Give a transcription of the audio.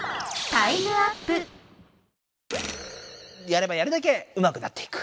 やればやるだけうまくなっていく。